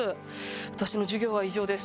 私の授業は以上です。